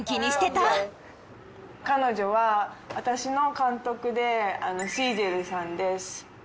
彼女は私の監督でシージェルさんです。